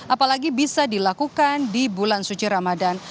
apalagi bisa dilakukan di bulan suci ramadan